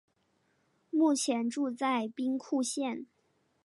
目前住在兵库县。